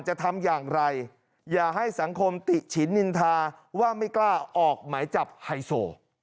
จะทำอย่างไรอย่าให้สังคมติฉินนินทาว่าไม่กล้าออกหมายจับไฮโซ